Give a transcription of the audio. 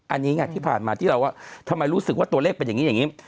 อันนี้ไงที่ผ่านมาที่เราว่าทำไมรู้สึกว่าตัวเลขเป็นอย่างนี้อย่างนี้